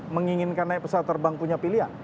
menginginkan naik pesawat terbang punya pilihan